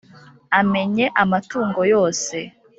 amenye ama tungo yose,